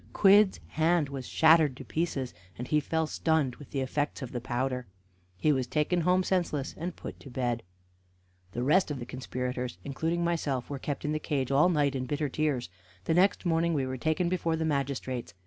Quidd's hand was shattered to pieces, and he fell stunned with the effects of the powder. He was taken home senseless, and put to bed. The rest of the conspirators, including myself, were kept in the cage all night in bitter tears. The next morning we were taken before the magistrates.